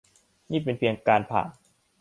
นี่เป็นเพียงการผ่าน